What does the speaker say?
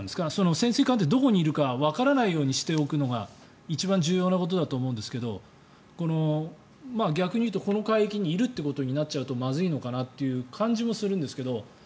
潜水艦って、どこにいるかわからないようにしておくのが一番重要なことだと思うんですけど逆に言うと、この海域にいるということになるとまずいのかなという感じもするんですけど。